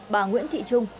bà nguyễn thị trung